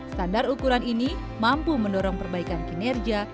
standar ukuran ini mampu mendorong perbaikan kinerja